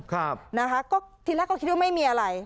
ครับนะคะก็ทีแรกก็คิดว่าไม่มีอะไร